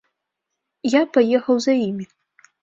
Я паехаў за імі.